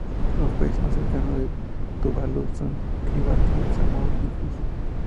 Los países más cercanos a Tuvalu son Kiribati, Samoa y Fiyi.